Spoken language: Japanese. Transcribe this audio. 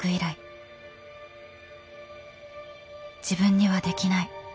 自分にはできない。